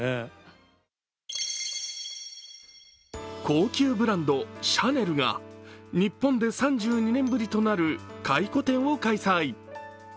高級ブランド、シャネルが日本で３２年ぶりとなる回顧展を開催。